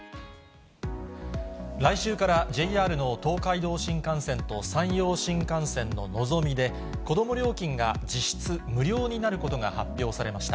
来週からＪＲの東海道新幹線と山陽新幹線ののぞみで、子ども料金が実質無料になることが発表されました。